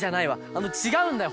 あのちがうんだよ。